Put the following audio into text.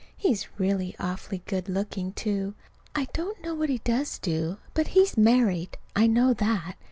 He's really awfully good looking, too. I don't know what he does do; but he's married. I know that.